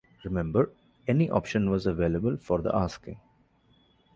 Remember, any option was available for the asking.